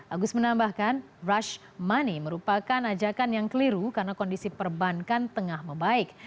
agus menambahkan rush money merupakan ajakan yang keliru karena kondisi perbankan tengah membaik